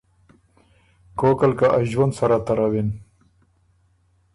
کوکل که ا ݫؤُند سره تروِن۔